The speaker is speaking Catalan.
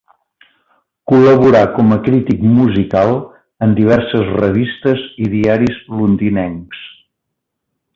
Col·laborà com a crític musical en diverses revistes i diaris londinencs.